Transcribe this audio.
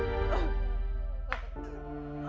kamu harus mencoba untuk mencoba